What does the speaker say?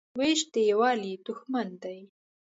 وېش د یووالي دښمن دی.